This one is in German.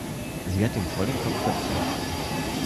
Sie hat ihm voll den Kopf verdreht.